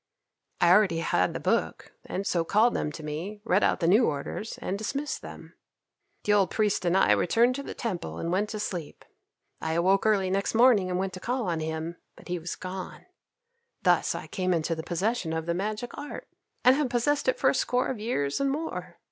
"I already had the book, and so called them to me, read out the new orders, and dismissed them. "The old priest and I returned to the Temple and went to sleep. I awoke early next morning and went to call on him, but he was gone. Thus I came into possession of the magic art, and have possessed it for a score of years and more.